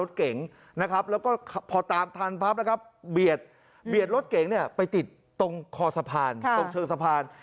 ตรงเชืองสะพาน